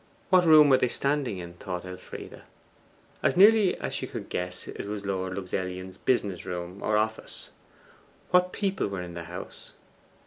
What room were they standing in? thought Elfride. As nearly as she could guess, it was Lord Luxellian's business room, or office. What people were in the house?